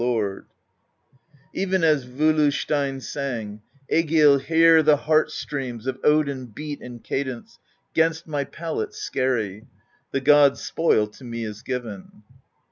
io6 PROSE EDDA Even as Volu Steinn sang: Egill, hear the Heart streams Of Odin beat in cadence 'Gainst my palate's skerry; The God's Spoil to me is given.